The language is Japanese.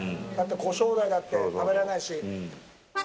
コショウダイだって食べられないし。